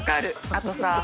あとさ淵